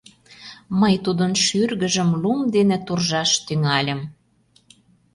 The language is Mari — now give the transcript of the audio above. Мый тудын шӱргыжым лум дене туржаш тӱҥальым.